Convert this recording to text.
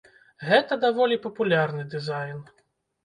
Гэта даволі папулярны дызайн.